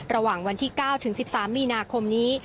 ระหว่างวันที่๙ถึง๑๓มีนาคมนี้